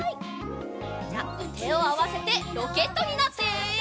じゃてをあわせてロケットになって。